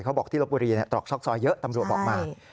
เขาบอกที่ลบบุรีตรอกซอกซอยเยอะตำรวจบอกมา